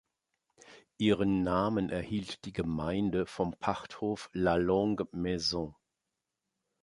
Ihren Namen erhielt die Gemeinde vom Pachthof "La Longue Maison".